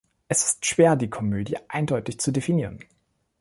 Es ist schwer, die Komödie eindeutig zu definieren.